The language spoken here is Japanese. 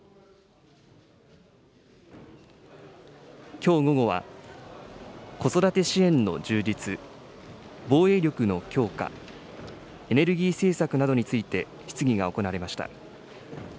きょう午後は、子育て支援の充実、防衛力の強化、エネルギー政策などについて質疑が行われました。